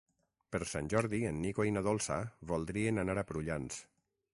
Per Sant Jordi en Nico i na Dolça voldrien anar a Prullans.